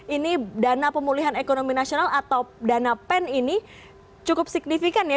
ini dana pemulihan ekonomi nasional atau dana pen ini cukup signifikan ya